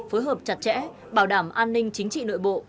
phối hợp chặt chẽ bảo đảm an ninh chính trị nội bộ